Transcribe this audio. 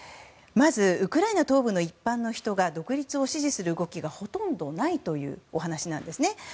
まず、ウクライナ東部の一般の人が独立を支持する動きがほとんどないというお話なんですね。